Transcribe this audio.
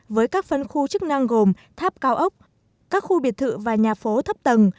với các phân khu chức năng gồm tháp cao ốc các khu biệt thự và nhà phố thấp tầng